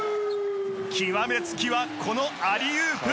極め付きはこのアリウープ！